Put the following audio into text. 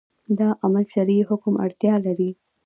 دا عمل شرعي حکم اړتیا لري